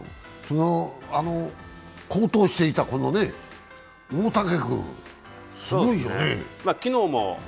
好投していた大竹君すごいよね。